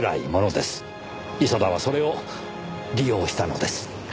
磯田はそれを利用したのです。